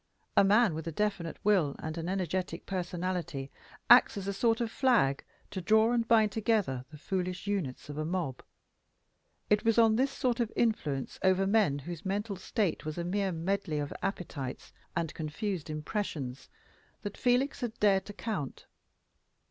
A man with a definite will and an energetic personality acts as a sort of flag to draw and bind together the foolish units of a mob. It was on this sort of influence over men whose mental state was a mere medley of appetites and confused impressions, that Felix had dared to count.